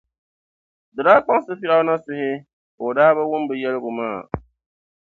di daa kpaŋsi Firawuna suhu, ka o daa bi wum bɛ yɛligu maa.